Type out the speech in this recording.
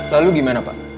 lalu bagaimana pak